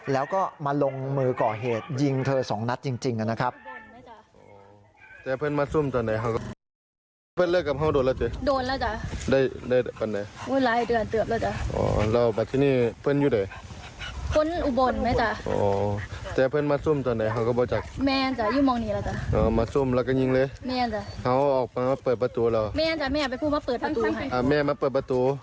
แล้วก็มาลงมือก่อเหตุยิงเธอสองนัดจริงนะครับ